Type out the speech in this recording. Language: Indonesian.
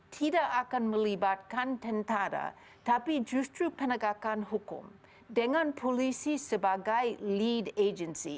tidak akan melibatkan tentara tapi justru penegakan hukum dengan polisi sebagai lead agency